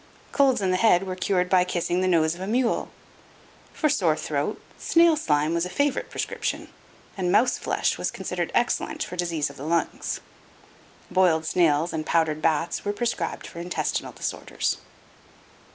Colds in the head were cured by kissing the nose of a mule. For sore throat, snail slime was a favorite prescription, and mouse flesh was considered excellent for disease of the lungs. Boiled snails and powdered bats were prescribed for intestinal disorders."